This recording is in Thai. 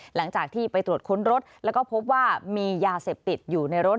หลังจากที่ไปตรวจค้นรถแล้วก็พบว่ามียาเสพติดอยู่ในรถ